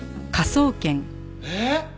えっ！